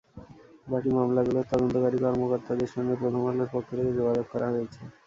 বাকি মামলাগুলোর তদন্তকারী কর্মকর্তাদের সঙ্গে প্রথম আলোর পক্ষ থেকে যোগাযোগ করা হয়েছে।